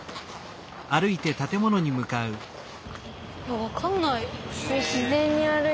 分かんない。